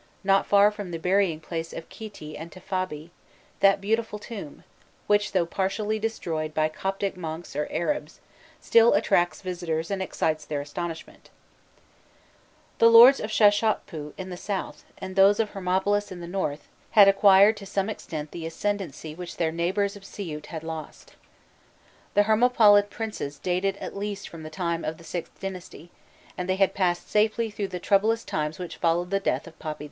nor far from the burying place of Khîti and Tefabi, that beautiful tomb, which, though partially destroyed by Coptic monks or Arabs, still attracts visitors and excites their astonishment. [Illustration: 401.jpg MAP OF PRINCIPALITY OF THE GAZELLE] The lords of Shashotpu in the south, and those of Hermopolis in the north, had acquired to some extent the ascendency which their neighbours of Siût had lost. The Hermopolitan princes dated at least from the time of the VIth dynasty, and they had passed safely through the troublous times which followed the death of Papi II.